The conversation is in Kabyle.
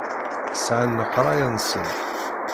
Sɛan leqraya-nsen.